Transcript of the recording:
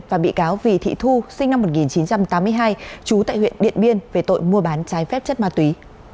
và bị cáo vì thị thu sinh năm một nghìn chín trăm tám mươi hai trú tại huyện điện biên về tội mua bán trái phép chất ma túy